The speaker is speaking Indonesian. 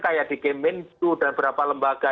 kayak di kemenku dan beberapa lembaga